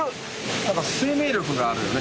何か生命力があるよね。